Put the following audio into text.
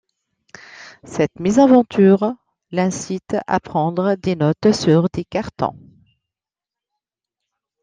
Cette mésaventure l'incite à prendre des notes sur des cartons.